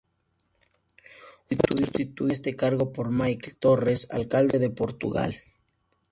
Fue sustituido en este cargo por Mikel Torres, alcalde de Portugalete